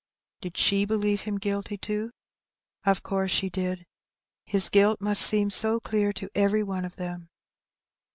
Did she believe him guilty too? Of course she did. His guilt must seem so clear to every one of them.